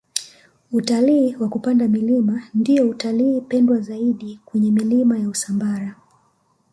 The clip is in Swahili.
utalii wa kupanda milima ndiyo utalii pendwa zaidi kwenye milima ya usambara